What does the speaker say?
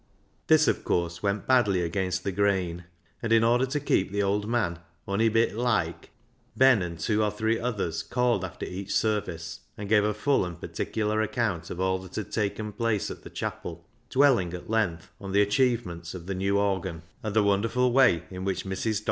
This of course went badly against the grain ; and in order to keep the old man " ony bit loike," Ben and two or three others called after each service and gave a full and particular account of all that had taken place at the chapel, dwelling at length on the achievements of the new organ, and the wonderful way in which Mrs. Dr.